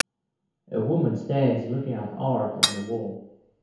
A woman stands looking at art on the wall.